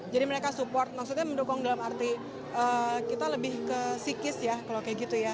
jadi mereka support maksudnya mendukung dalam arti kita lebih ke sikis ya kalau kayak gitu ya